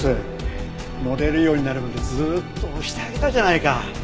乗れるようになるまでずーっと押してあげたじゃないか。